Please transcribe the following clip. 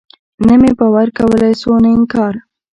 نه مې باور کولاى سو نه انکار.